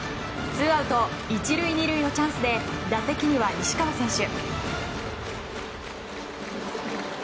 ツーアウト１塁２塁のチャンスで打席には西川選手。